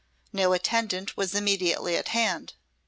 No attendant was immediately at hand.